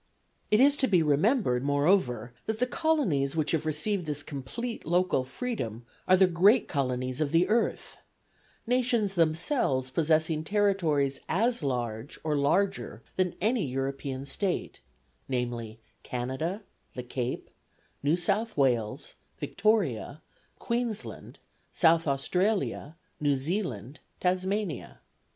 It is to be remembered, moreover, that the colonies which have received this complete local freedom are the great colonies of the earth nations themselves possessing territories as large or larger than any European State namely, Canada, the Cape, New South Wales, Victoria, Queensland, South Australia, New Zealand, Tasmania.